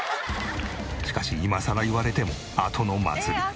しかし今さら言われてもあとの祭り。